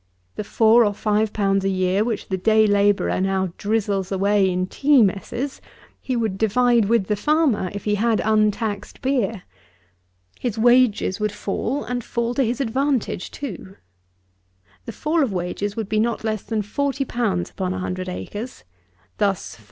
The four or five pounds a year which the day labourer now drizzles away in tea messes, he would divide with the farmer, if he had untaxed beer. His wages would fall, and fall to his advantage too. The fall of wages would be not less than 40_l._ upon a hundred acres. Thus 40_l.